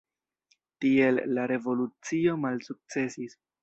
Tiel la revolucio malsukcesis.